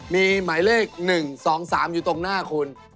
มีหมายเลข๑๒๓อยู่ตรงหน้าคุณ